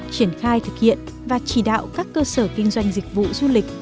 triển khai thực hiện và chỉ đạo các cơ sở kinh doanh dịch vụ du lịch